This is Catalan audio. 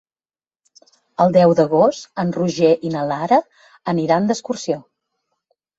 El deu d'agost en Roger i na Lara aniran d'excursió.